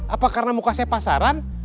apa karena mukasanya pasaran